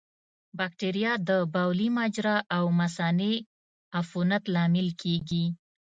بکتریا د بولي مجرا او مثانې عفونت لامل کېږي.